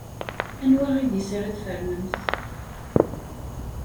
Anwa idis ara tfernemt?